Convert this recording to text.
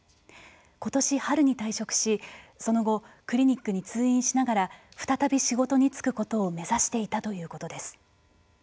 ことし春に退職しその後、クリニックに通院しながら再び仕事に就くことを目指していたということです。